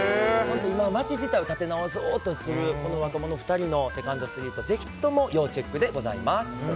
街自体を立て直そうとするこの若者２人の２すとりーとぜひとも要チェックでございます。